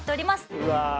うわ！